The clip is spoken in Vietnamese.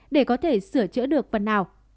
để có thể sửa chữa được phần nào